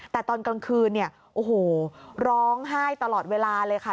แต่ตอนกลางคืนเนี่ยโอ้โหร้องไห้ตลอดเวลาเลยค่ะ